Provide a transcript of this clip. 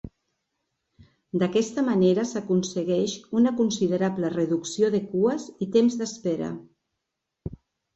D'aquesta manera s'aconsegueix una considerable reducció de cues i temps d'espera.